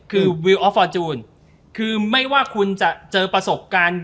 คือวิวออฟฟอร์จูนคือไม่ว่าคุณจะเจอประสบการณ์